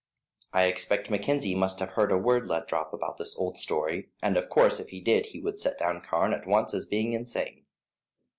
I expect Mackenzie must have heard a word let drop about this old story, and of course if he did he would set down Carne at once as being insane.